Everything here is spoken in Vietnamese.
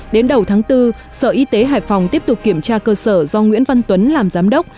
đến đầu tháng bốn sở y tế hải phòng tiếp tục kiểm tra cơ sở do nguyễn văn tuấn làm giám đốc